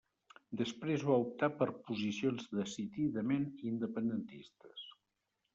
Després va optar per posicions decididament independentistes.